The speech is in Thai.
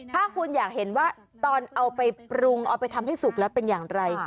ถ้าคุณอยากเห็นว่าตอนเอาไปปรุงเอาไปทำให้สุกแล้วเป็นอย่างไร